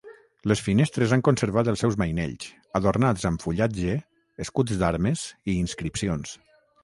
Les finestres han conservat els seus mainells, adornats amb fullatge, escuts d'armes i inscripcions.